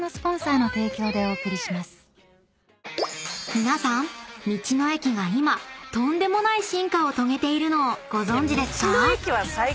［皆さん道の駅が今とんでもない進化を遂げているのをご存じですか？］